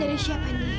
dari siapa indi